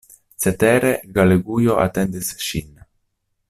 Cetere, Galegujo atendis ŝin.